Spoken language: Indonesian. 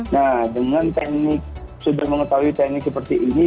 nah dengan teknik sudah mengetahui teknik seperti ini